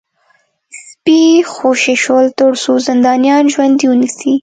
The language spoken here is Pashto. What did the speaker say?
سپي خوشي شول ترڅو زندانیان ژوندي ونیسي